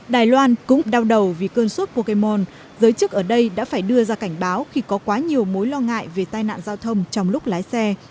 đài loan cũng đau đầu vì cơn suốt pokemon giới chức ở đây đã phải đưa ra cảnh báo khi có quá nhiều mối lo ngại về tai nạn giao thông trong lúc lái xe